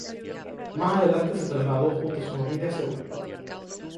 Más adelante, se trasladó junto a su familia a Seúl.